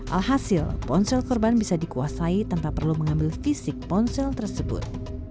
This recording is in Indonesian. alhasil ponsel korban bisa dikuasai tanpa perlu mengambil fisik ponsel tersebut